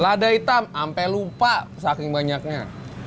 lada hitam sampai lupa saking banyaknya